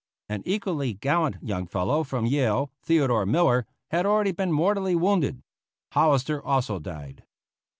An equally gallant young fellow from Yale, Theodore Miller, had already been mortally wounded. Hollister also died.